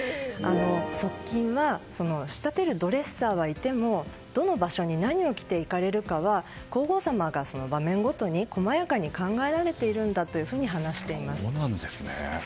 側近は仕立てるドレッサーはいてもどの場所に何を着て行かれるかは皇后さまが場面ごとに細やかに考えているんだと話しています。